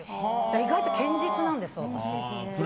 意外と堅実なんです、私。